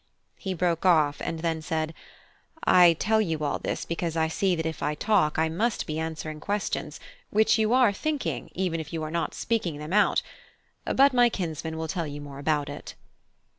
He broke off, and then said, "I tell you all this, because I see that if I talk I must be answering questions, which you are thinking, even if you are not speaking them out; but my kinsman will tell you more about it."